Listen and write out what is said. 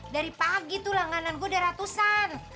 dari pagi tuh langganan ku udah ratusan